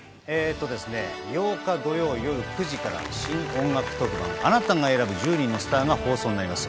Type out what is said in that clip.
８日・土曜夜９時から新音楽特番『あなたが選ぶ１０人のスター』が放送になります。